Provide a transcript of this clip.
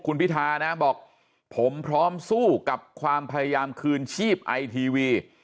คุณพิธานะบอกผมพร้อมสู้กับความพยายามคืนชีพไอทีวี